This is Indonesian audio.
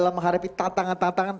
bela mengharapi tantangan tantangan